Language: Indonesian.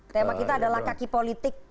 tema kita adalah kaki politik